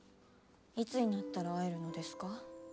いつになったら会えるのですか。